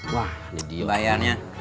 wah jadi lahiannya